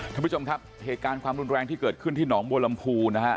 ท่านผู้ชมครับเหตุการณ์ความรุนแรงที่เกิดขึ้นที่หนองบัวลำพูนะฮะ